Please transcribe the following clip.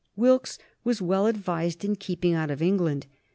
Wilkes was well advised in keeping out of England.